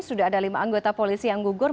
sudah ada lima anggota polisi yang gugur